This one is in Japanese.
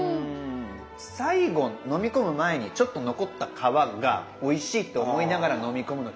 最後飲み込む前にちょっと残った皮がおいしいって思いながら飲み込むの違いますね。